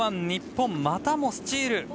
日本またもスチール。